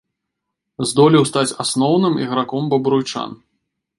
Здолеў стаць асноўным іграком бабруйчан.